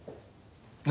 何？